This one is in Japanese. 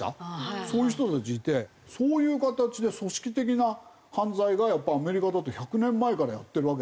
そういう人たちがいてそういう形で組織的な犯罪がやっぱアメリカだと１００年前からやってるわけですから。